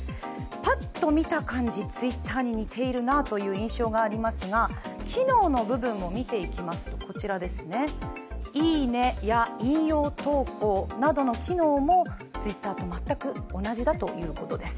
ぱっと見た感じＴｗｉｔｔｅｒに似ているなという印象がありますが機能の部分を見ていきますと、いいねや引用投稿などの機能もＴｗｉｔｔｅｒと全く同じだということです。